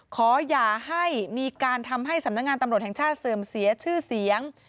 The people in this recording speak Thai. ขออย่าให้มีการทำให้สำนักงานตำรวจแห่งชาติเสื่อมเสียชื่อเสียง